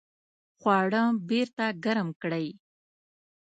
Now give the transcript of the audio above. خواړه بیرته ګرم کړئ